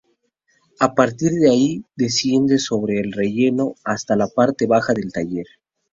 A partir de ahí desciende sobre el relleno hasta la parte baja del taller.